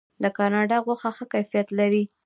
د کاناډا غوښه ښه کیفیت لري.